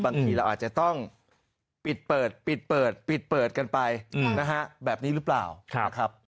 บางทีเราอาจจะต้องปิดเปิดปิดเปิดปิดเปิดกันไปนะฮะแบบนี้หรือเปล่านะครับ